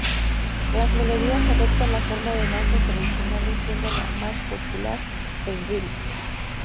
Las melodías adoptan la forma de danzas tradicionales, siendo la más popular el reel.